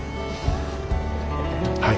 はい。